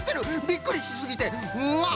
びっくりしすぎてあ